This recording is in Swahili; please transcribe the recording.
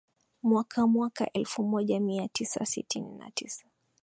mwaka mwaka elfu moja mia tisa sitini na tisa